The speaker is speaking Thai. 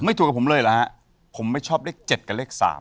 ถูกกับผมเลยเหรอฮะผมไม่ชอบเลข๗กับเลข๓